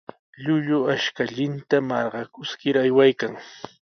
Llullu ashkallanta marqakuskir aywaykan.